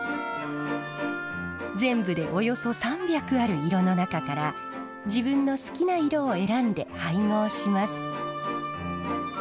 全部でおよそ３００ある色の中から自分の好きな色を選んで配合します。